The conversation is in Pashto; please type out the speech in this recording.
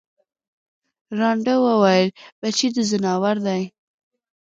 ړانده وویل بچی د ځناور دی